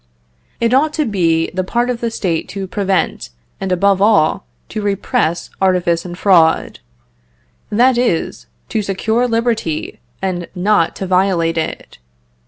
It ought to be the part of the State to prevent, and, above all, to repress artifice and fraud; that is, to secure liberty, and not to violate it.